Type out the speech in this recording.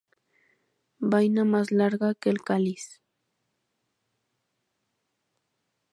Vaina más larga que el cáliz.